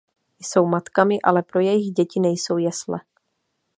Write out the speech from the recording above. Jsou matkami, ale pro jejich děti nejsou jesle.